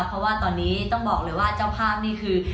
เพราะว่าตอนนี้ต้องบอกเลยว่าเจ้าภาพนี่คือ